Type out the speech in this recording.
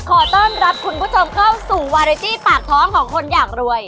ขอต้อนรับคุณผู้ชมเข้าสู่วาเรจี้ปากท้องของคนอยากรวย